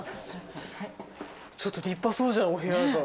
ちょっと立派そうじゃんお部屋が。